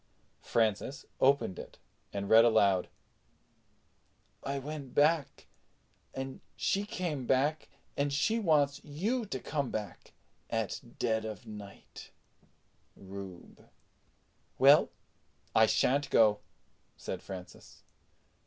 Francis opened it and read aloud: "I went back and she came back and she wants you to come back at ded of nite. RUBE." "Well, I shan't go," said Francis.